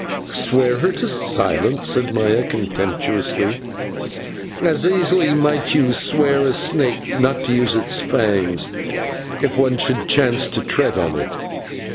"Swear her to silence!" said Maya contemptuously, "as easily might you swear a snake not to use its fangs, if one should chance to tread on it.